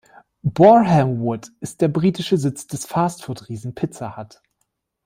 Borehamwood ist der britische Sitz des Fast-Food-Riesen Pizza Hut.